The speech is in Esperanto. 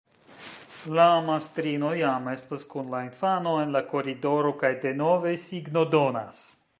La mastrino jam estas kun la infano en la koridoro kaj denove signodonas.